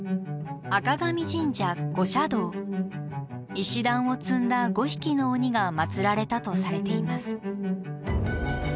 石段を積んだ５匹の鬼がまつられたとされています。